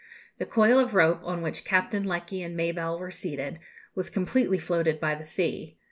The coll of rope, on which Captain Lecky and Mabelle were seated, was completely floated by the sea.